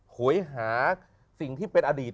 โหยหาสิ่งที่เป็นอดีต